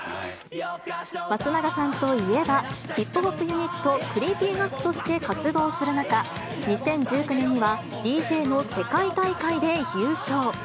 松永さんといえば、ヒップホップユニット、クリーピーナッツとして活動する中、２０１９年にはＤＪの世界大会で優勝。